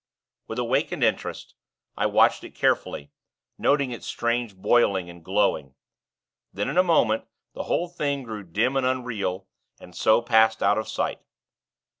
With awakened interest, I watched it carefully, noting its strange boiling and glowing. Then, in a moment, the whole thing grew dim and unreal, and so passed out of sight.